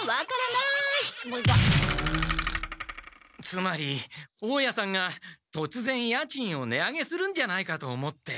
つまり大家さんがとつぜん家賃を値上げするんじゃないかと思って。